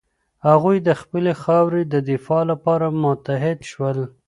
هغوی د خپلې خاورې د دفاع لپاره متحد شول.